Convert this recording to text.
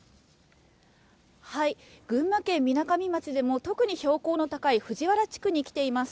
群馬県みなかみ町でも特に標高の高い藤原地区に来ています。